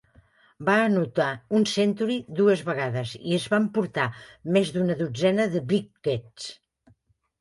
Va anotar un 'century' dues vegades i es va emportar més d'una dotzena de 'wickets'.